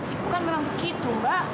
itu kan memang begitu mbak